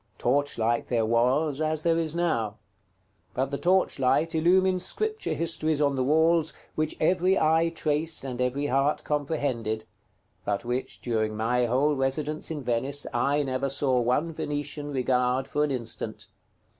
Torchlight there was, as there is now; but the torchlight illumined Scripture histories on the walls, which every eye traced and every heart comprehended, but which, during my whole residence in Venice, I never saw one Venetian regard for an instant.